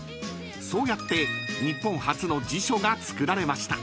［そうやって日本初の辞書が作られました］